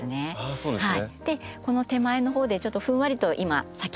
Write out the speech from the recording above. そうですね。